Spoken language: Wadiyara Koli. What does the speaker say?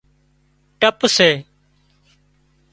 ٽپ سي